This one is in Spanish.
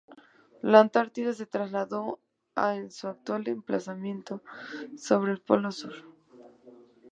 La Antártida se trasladó a su actual emplazamiento sobre el Polo Sur.